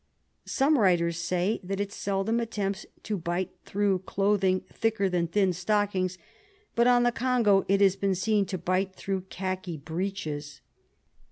Some writers say that it seldom attempts to bite through clothing thicker than thin stockings, but on the Congo it has been seen to bite through lihaki breeches.